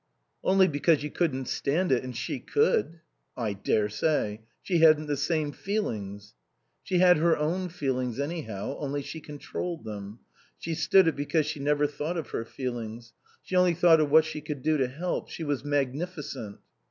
"Only because you couldn't stand it and she could." "I daresay. She hadn't the same feelings." "She had her own feelings, anyhow, only she controlled them. She stood it because she never thought of her feelings. She only thought of what she could do to help. She was magnificent."